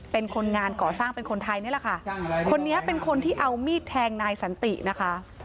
เป็นคนงานก่อสร้างเป็นคนไทยนี่แหละค่ะคนนี้เป็นคนที่เอามีดแทงนายสันตินะคะ